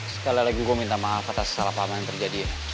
sekali lagi gue minta maaf atas salah apa yang terjadi